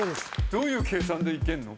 どういう計算でいけんの？